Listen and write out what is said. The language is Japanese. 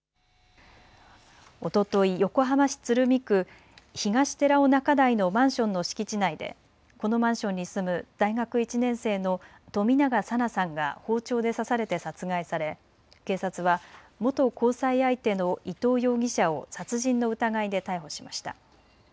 おととい横浜市鶴見区東寺尾中台のマンションの敷地内でこのマンションに住む大学１年生の冨永紗菜さんが包丁で刺されて殺害され警察は元交際相手の伊藤容疑者を殺人の疑いで逮捕しました。